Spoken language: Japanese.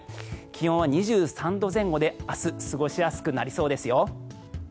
気温は２３度前後で、明日過ごしやすくなりそうですよ。